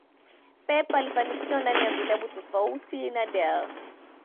Pep alifanikiwa ndani ya vilabu tofauti na Del